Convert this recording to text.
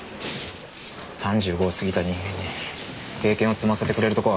３５を過ぎた人間に経験を積ませてくれるとこはありません。